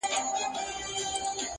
تاسو زما د دغه برائت تصديق نکوئ.